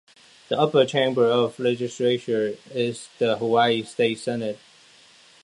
The upper chamber of the legislature is the Hawaii State Senate.